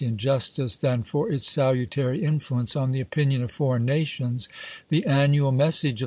v. and justice than for its salutary influence on the opinion of foreign nations, the annual message of Dec.